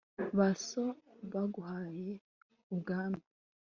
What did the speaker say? ba so baguhaye ubwami